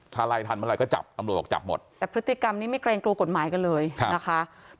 ถ้าไล่ทันเมื่อไรก็จับตำรวจบอกจับหมดแต่พฤติกรรมนี้ไม่เกรงกลัวกฎหมายกันเลยนะคะ